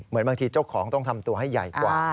บางทีเจ้าของต้องทำตัวให้ใหญ่กว่า